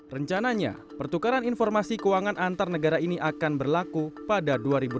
rencananya pertukaran informasi keuangan antar negara ini akan berlaku pada dua ribu delapan belas